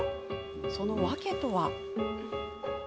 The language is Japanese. その訳とは。